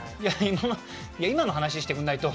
今の話をしてくれないと。